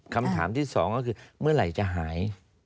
คำถามที่สองก็คือเมื่อไหร่จะหาย